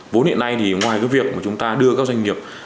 vốn hiện nay thì ngoài việc chúng ta đưa các doanh nghiệp